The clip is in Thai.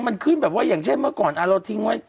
มันขึ้นแบบว่าอย่างเช่นเมื่อก่อนเราทิ้งไว้